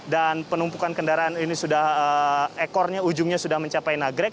dan penumpukan kendaraan ini sudah ekornya ujungnya sudah mencapai nagreg